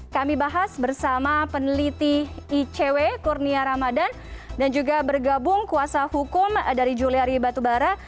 kami bahas bersama peneliti icw kurnia ramadan dan juga bergabung kuasa hukum dari juliari batubara